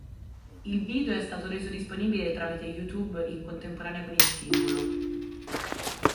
Il video è stato reso disponibile tramite YouTube in contemporanea con il singolo.